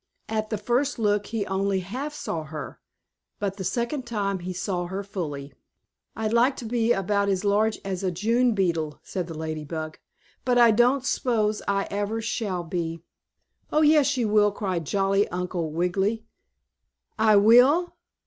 At the first look he only half saw her, but the second time he saw her fully. "I'd like to be about as large as a June Beetle," said the Lady Bug. "But I don't s'pose I ever shall be." "Oh, yes you will!" cried jolly Uncle Wiggily. "I will!